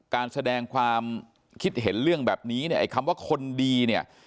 การแสดงความคิดเห็นเรื่องแบบนี้เนี่ยไอ้คำว่าคนดีเนี่ย